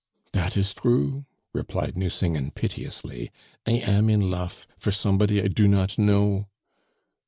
"Dat is true," replied Nucingen piteously; "I am in lof for somebody I do not know."